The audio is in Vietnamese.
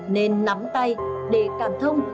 nên nắm tay để cảm thông